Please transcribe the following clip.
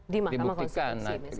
di mahkamah konstitusi misalnya